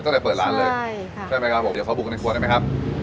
ก็เลยเปิดร้านเลยใช่ค่ะใช่ไหมครับผมเดี๋ยวขอบุกในครัวได้ไหมครับ